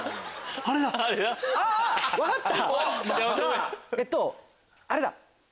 あっ分かった！